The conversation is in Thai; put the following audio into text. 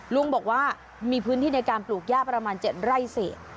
ลุงบอกว่ามีพื้นที่ในการปลูกย่าประมาณ๗ไร่เศษ